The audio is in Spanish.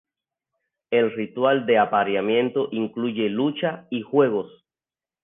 El ritual de apareamiento incluye lucha, y juegos.